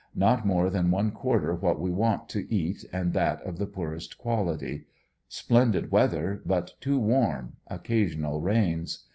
Not more than one quarter what we want to eat and that of the poorest qualit}^ Splendid weather, but too warm; occasional rains.